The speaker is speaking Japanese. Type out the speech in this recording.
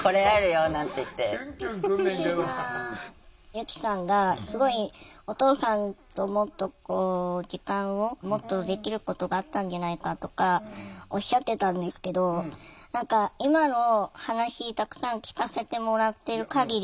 由希さんがすごいお父さんともっとこう時間をもっとできることがあったんじゃないかとかおっしゃってたんですけど何か今の話たくさん聞かせてもらってる限りでは。